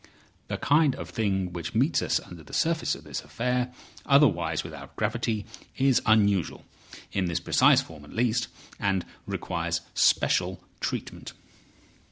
"The kind of thing which meets us under the surface of this affair, otherwise without gravity, is unusual—in this precise form at least—and requires special treatment."